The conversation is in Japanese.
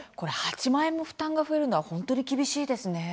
８万円も負担が増えるのは本当に厳しいですね。